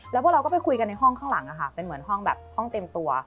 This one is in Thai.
แล้วพวกเราก็ไปคุยกันในห้องข้างหลังเป็นเหมือนห้องแบบห้องเต็มตัว